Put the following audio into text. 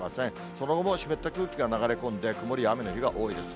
その後は湿った空気が流れ込んで、曇りや雨の日が多いです。